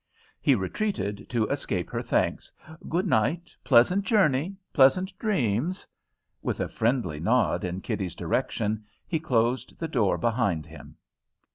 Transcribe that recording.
He retreated to escape her thanks. "Good night! Pleasant journey! Pleasant dreams!" With a friendly nod in Kitty's direction he closed the door behind him.